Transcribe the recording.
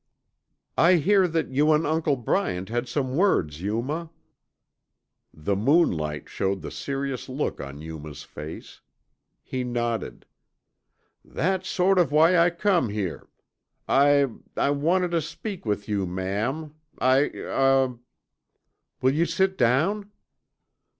"I hear that you and Uncle Bryant had some words, Yuma." The moonlight showed the serious look on Yuma's face. He nodded. "That's sort of why I come here. I I wanted tuh speak with you, ma'am.... I er " "Will you sit down?"